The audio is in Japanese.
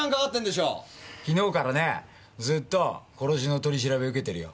昨日からねずっと殺しの取り調べ受けてるよ。